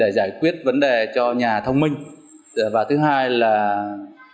để giải quyết vấn đề cho nhà thông minh và thứ hai là đào tạo các em